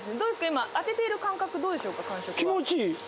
今当てている感覚どうでしょうか？